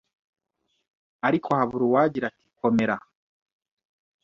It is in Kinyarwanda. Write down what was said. ariko habura uwagira, ati “Komera